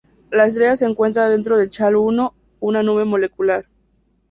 La estrella se encuentra dentro de Cha I, una nube molecular.